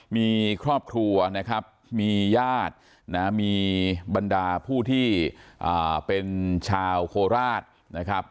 มีครอบครัวนะครับมีญาตินะมีบรรดาผู้ที่เป็นชาวโคราชนะครับ